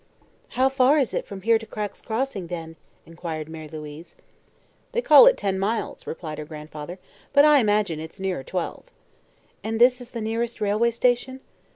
"How far is it from here to Cragg's Crossing, then?" inquired Mary Louise. "They call it ten miles," replied her grandfather, "but I imagine it's nearer twelve." "And this is the nearest railway station?"